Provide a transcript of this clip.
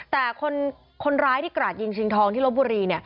แต่คนร้ายที่กราดยิงชิงทองที่ลบบุรี